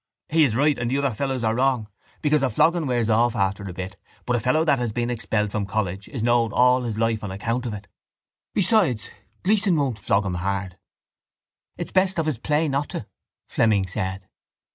He is right and the other fellows are wrong because a flogging wears off after a bit but a fellow that has been expelled from college is known all his life on account of it. Besides Gleeson won't flog him hard. —It's best of his play not to, Fleming said.